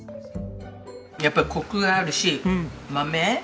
やっぱりコクがあるし豆。